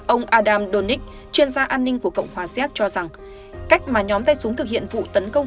ông adam donich chuyên gia an ninh của cộng hòa xéc cho rằng cách mà nhóm tay súng thực hiện vụ tấn công